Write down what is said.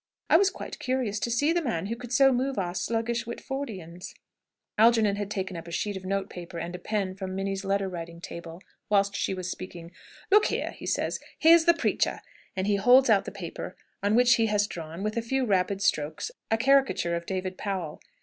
I was quite curious to see the man who could so move our sluggish Whitfordians." Algernon had taken up a sheet of note paper and a pen from Minnie's letter writing table, whilst she was speaking. "Look here," he says, "here's the preacher!" And he holds out the paper on which he has drawn, with a few rapid strokes, a caricature of David Powell.